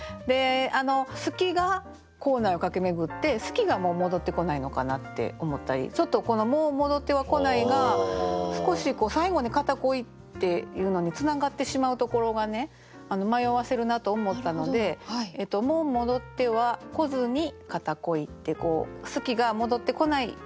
「好き」が校内を駆け巡って「好き」がもう戻ってこないのかなって思ったりちょっとこの「もう戻ってはこない」が少し最後に「片恋」っていうのにつながってしまうところがね迷わせるなと思ったので「もう戻っては来ずに片恋」って「好き」が戻ってこない。